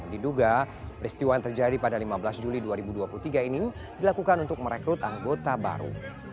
diduga peristiwa yang terjadi pada lima belas juli dua ribu dua puluh tiga ini dilakukan untuk merekrut anggota baru